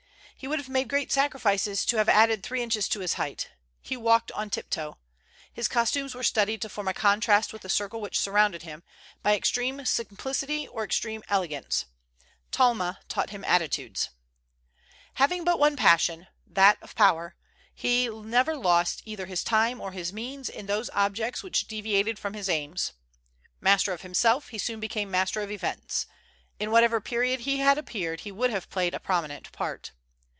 He would have made great sacrifices to have added three inches to his height. He walked on tiptoe. His costumes were studied to form a contrast with the circle which surrounded him, by extreme simplicity or extreme elegance. Talma taught him attitudes. "Having but one passion, that of power, he never lost either his time or his means in those objects which deviated from his aims. Master of himself, he soon became master of events. In whatever period he had appeared, he would have played a prominent part.